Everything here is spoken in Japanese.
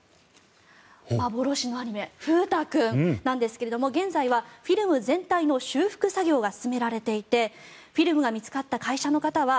幻のアニメ「フータくん」なんですが現在はフィルム全体の修復作業が進められていてフィルムが見つかった会社の方は